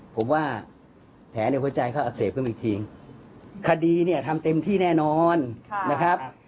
ผมว่าแผลในหัวใจเขาอักเสบขึ้นอีกทีคดีเนี่ยทำเต็มที่แน่นอนนะครับ